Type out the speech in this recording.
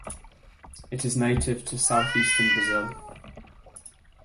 It is native to southeastern Brazil.